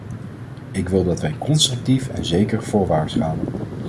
Ik wil dat wij constructief en zeker voorwaarts gaan.